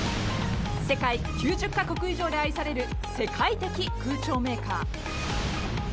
世界９０か国以上で愛される世界的空調メーカー。